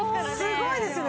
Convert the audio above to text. すごいですよね。